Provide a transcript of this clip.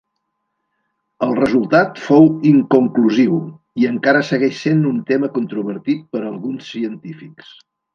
El resultat fou inconclusiu, i encara segueix sent un tema controvertit per alguns científics.